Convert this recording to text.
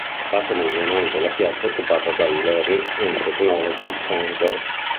La parte meridionale dell piazza è occupata dal "Learning and Technology Centre".